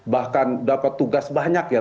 bahkan dapat tugas banyak ya